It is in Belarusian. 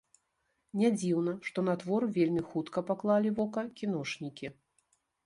Нядзіўна, што на твор вельмі хутка паклалі вока кіношнікі.